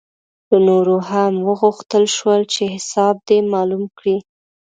له نورو هم وغوښتل شول چې حساب دې معلوم کړي.